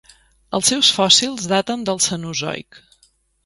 Els seus fòssils daten del Cenozoic.